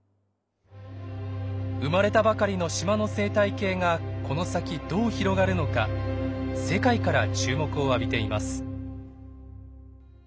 生まれたばかりの島の生態系がこの先どう広がるのか世界から注目を浴びています。